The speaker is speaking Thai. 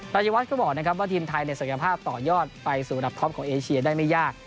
รายวัฒน์ก็บอกนะครับว่าทีมไทยศักยภาพต่อยอดไปสู่ระดับท็อปของเอเชียได้ไม่ยาก